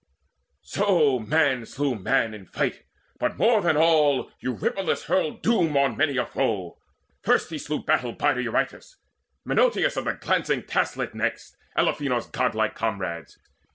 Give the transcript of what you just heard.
So man slew man in fight; but more than all Eurypylus hurled doom on many a foe. First slew he battle bider Eurytus, Menoetius of the glancing taslet next, Elephenor's godlike comrades.